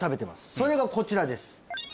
それがこちらです